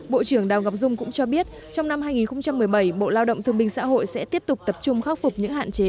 bộ trưởng đào ngọc dung cũng cho biết trong năm hai nghìn một mươi bảy bộ lao động thương minh xã hội sẽ tiếp tục tập trung khắc phục những hạn chế